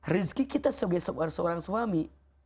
rizki kita sebagai seorang suami